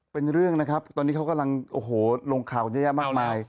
เป็นเรื่องนะครับตอนนี้เขากำลังโอ้โหลงข่าวเยอะแยะมากมาย